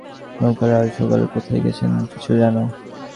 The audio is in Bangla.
রমেশ জিজ্ঞাসা করিল, তোমাদের নৌকার আর-সকলে কোথায় গেছেন, কিছু জান?